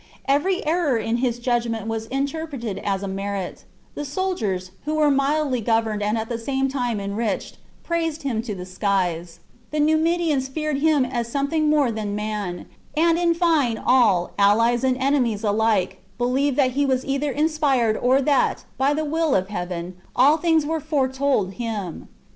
Every error in his judg ment was interpreted as a merit; the soldiers, who were mildly governed and at the same time enriched, praised him to the skies ; the Numidians feared him as something more than man ; and, in fine, all, allies and enemies alike, believed that he was either inspired or that, by the will of heaven, all things were foretold him.